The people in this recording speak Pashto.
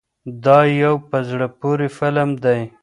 دا یو په زړه پورې فلم دی.